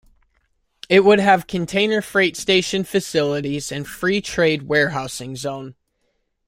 It would have container freight station facilities and free trade warehousing zone.